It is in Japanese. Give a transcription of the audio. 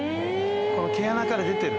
毛穴から出てる。